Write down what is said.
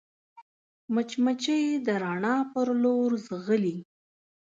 مچمچۍ د رڼا پر لور ځغلي